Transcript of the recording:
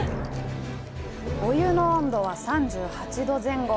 お湯の温度は３８度前後。